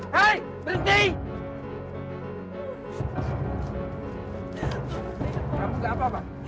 kamu enggak apa apa